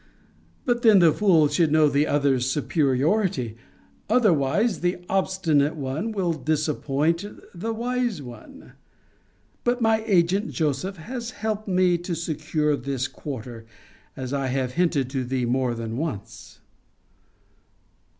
] But then the fool should know the other's superiority; otherwise the obstinate one will disappoint the wise one. But my agent Joseph has helped me to secure this quarter, as I have hinted to thee more than once.